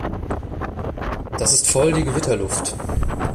Das ist voll die Gewitterluft.